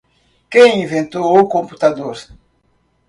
Quem inventou o computador?